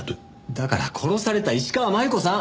だから殺された石川真悠子さん。